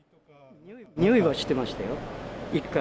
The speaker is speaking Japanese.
においはしてましたよ、１階。